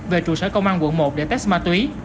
về trụ sở công an quận một để test ma túy